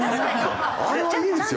あれはいいですよ。